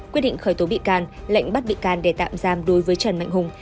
quyết định khởi tố bị can lệnh bắt bị can để tạm giam đối với trần mạnh hùng